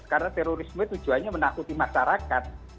karena terorisme tujuannya menakuti masyarakat